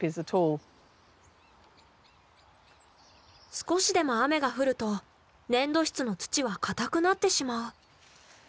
少しでも雨が降ると粘土質の土はかたくなってしまう。